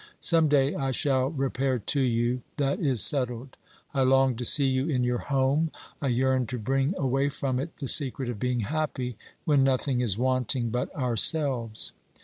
Some day I shall repair to you — that is settled. I long to see you in your home ; I yearn to bring away from it the secret of being happy, when nothing is wanting but ourselves.